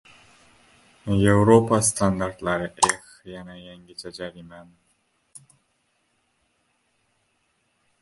Yevropa standartlari?.. Eh, yana yangicha jarimami?